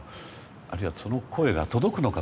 あるいは、その声が届くのか。